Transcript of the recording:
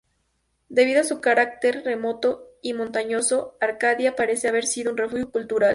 Debido a su carácter remoto y montañoso, Arcadia parece haber sido un refugio cultural.